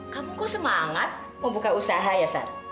kamu kok semangat membuka usaha ya sar